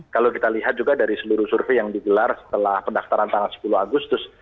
kalau kita lihat juga dari seluruh survei yang digelar setelah pendaftaran tanggal sepuluh agustus